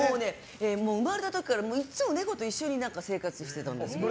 生まれた時からいつも一緒に猫と生活してたんです。